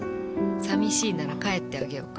寂しいなら帰ってあげようか？